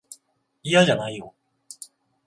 いやじゃないよ。